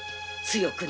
強く。